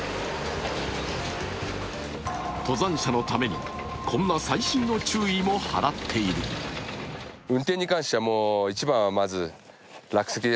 登山者のために、こんな細心の注意も払っているという。